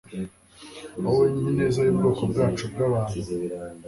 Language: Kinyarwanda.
wabona ineza yubwoko bwacu bwabantu